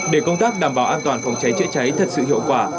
để công tác đảm bảo an toàn phòng cháy chữa cháy thật sự hiệu quả